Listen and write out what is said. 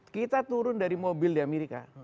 kita turun dari mobil di amerika